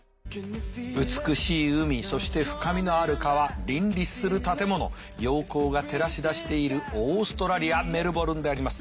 美しい海そして深みのある川林立する建物陽光が照らし出しているオーストラリアメルボルンであります。